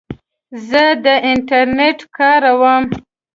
زه د انټرنیټ کاروم.